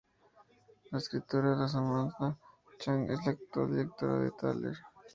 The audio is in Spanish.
La escritora Lan Samantha Chang es la actual directora del taller.